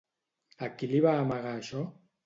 A qui li va amagar això?